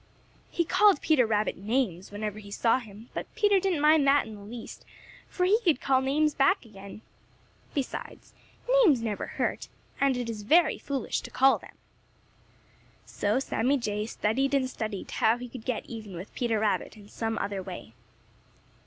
He called Peter names whenever he saw him, but Peter didn't mind that in the least, for he could call names back again. Besides, names never hurt, and it is very foolish to call them. So Sammy Jay studied and studied how he could get even with Peter Rabbit in some other way.